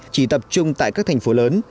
chỉ tập trung tại các thành phố lớn